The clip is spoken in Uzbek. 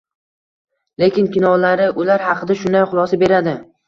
Lekin kinolari ular haqida shunday xulosa beradi.